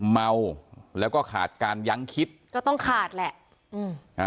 เมาแล้วก็ขาดการยั้งคิดก็ต้องขาดแหละอืมอ่า